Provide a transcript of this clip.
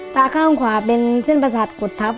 ตาข้างขวาเป็นเส้นประสาทกุดทับ